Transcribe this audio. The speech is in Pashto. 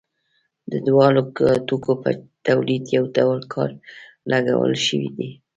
د دواړو توکو په تولید یو ډول کار لګول شوی دی